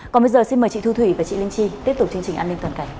còn bây giờ xin mời chị thu thủy và chị linh chi tiếp tục chương trình an ninh toàn cảnh